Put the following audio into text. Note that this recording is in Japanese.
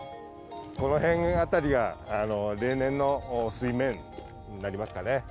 この辺辺りが、例年の水面になりますかね。